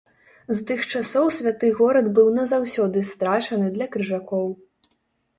З тых часоў святы горад быў назаўсёды страчаны для крыжакоў.